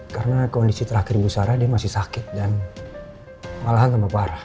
karena kondisi terakhir ibu sarah dia masih sakit dan malahan tambah parah